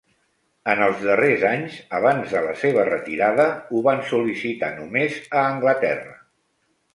En els darrers anys, abans de la seva retirada ho van sol·licitar només a Anglaterra.